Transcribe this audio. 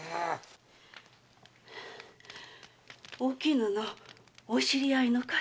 ⁉おきぬのお知り合いの方？